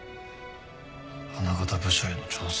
花形部署への挑戦。